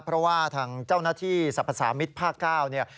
เพราะว่าทางเจ้าหน้าที่สรรพสามิตรภาค๙เนี่ย